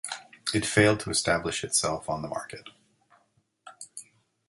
It failed to establish itself on the market.